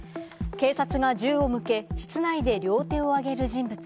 警察が銃を向け、室内で両手を挙げる人物。